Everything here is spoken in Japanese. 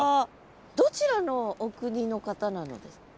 どちらのお国の方なのですか？